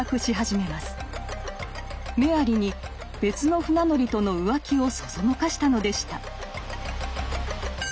メアリに別の船乗りとの浮気をそそのかしたのでした。